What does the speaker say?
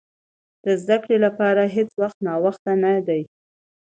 د زده کړې لپاره هېڅ وخت ناوخته نه دی.